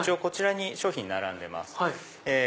こちらに商品並んでます。